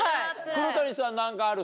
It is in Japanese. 黒谷さん何かある？